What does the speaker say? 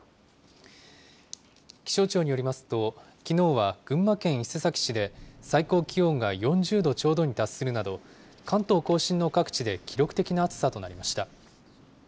気象庁によりますと、きのうは群馬県伊勢崎市で最高気温が４０度ちょうどに達するなど、関東甲信の各地で記録的な暑さとなりました。